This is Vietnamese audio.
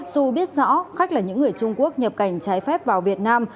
dù biết rõ khách là những người trung quốc nhập cảnh trái phép vào việt nam